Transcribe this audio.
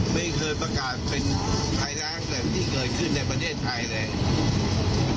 ไม่เคยประกาศเป็นภัยแรงแบบที่เกิดขึ้นในประเทศไทยเลย